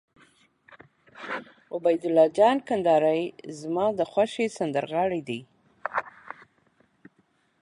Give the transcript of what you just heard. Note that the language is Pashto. عبیدالله جان کندهاری زما د خوښې سندرغاړی دي.